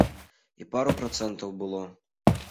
І пару працэнтаў было.